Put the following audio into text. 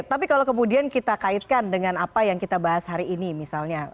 tapi kalau kemudian kita kaitkan dengan apa yang kita bahas hari ini misalnya